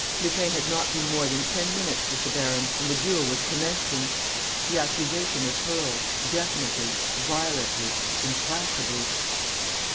Lupin had not been more than ten minutes with the baron; and the duel was commencing. The accusation was hurled, definitely, violently, implacably.